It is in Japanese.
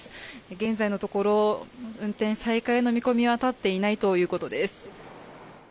現在のところ運転再開の見込みは立っていないということです。